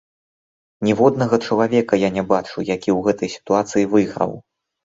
Ніводнага чалавека я не бачу, які ў гэтай сітуацыі выйграў.